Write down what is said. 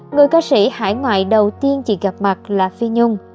người ca sĩ hải ngoại đầu tiên chỉ gặp mặt là phi nhung